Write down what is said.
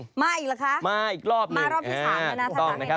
มาอีกหรือคะมารอบที่๓ด้วยนะถ้าถามให้นะมาอีกรอบหนึ่งถ้าถามให้นะ